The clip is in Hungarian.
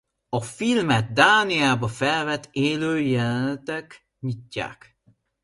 A filmet Dániában felvett élő jelenetek nyitják.